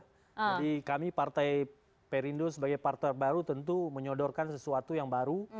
jadi kami partai perindo sebagai partai baru tentu menyodorkan sesuatu yang baru